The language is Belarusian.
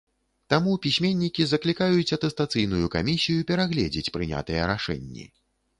Таму пісьменнікі заклікаюць атэстацыйную камісію перагледзець прынятыя рашэнні.